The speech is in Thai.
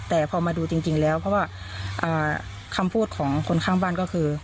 แต่พอมาดูจริงแล้วเพราะว่าคำพูดของคนข้างบ้านก็คือ